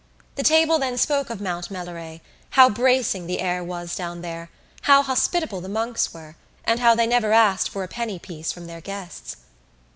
The table then spoke of Mount Melleray, how bracing the air was down there, how hospitable the monks were and how they never asked for a penny piece from their guests.